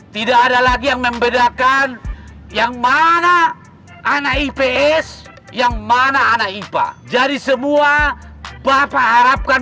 tidak ada lagi yang membedakan yang mana anak ips yang mana anak ipa jadi semua bapak harapkan